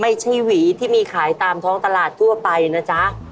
หวีที่มีขายตามท้องตลาดทั่วไปนะจ๊ะ